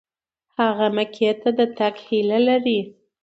هغه مکې ته د تګ هیله لري.